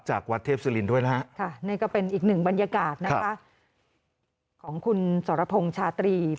จากวัดเทพศิรินดิ์ด้วยนะฮะ